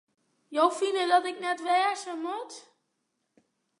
Jo fine dat it net wêze moat?